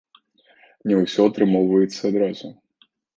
Не ўсё атрымоўваецца адразу.